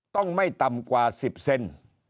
ต้องไม่ต่ำกว่า๑๐เซน